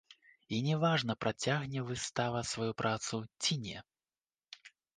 І не важна працягне выстава сваю працу ці не.